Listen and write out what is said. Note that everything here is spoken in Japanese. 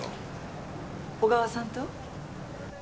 小川さんと？